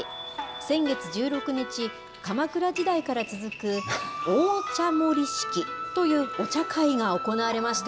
先月１６日、鎌倉時代から続く、大茶盛式というお茶会が行われました。